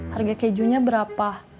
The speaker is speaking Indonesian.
harga kejunya berapa